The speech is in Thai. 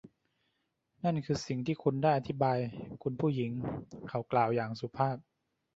นั่นคือสิ่งที่คุณได้อธิบาย คุณผู้หญิง เขากล่าวอย่างสุภาพ